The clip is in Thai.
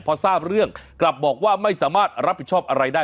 พอทราบเรื่องกลับบอกว่าไม่สามารถรับผิดชอบอะไรได้